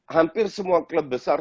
hampir semua klub besar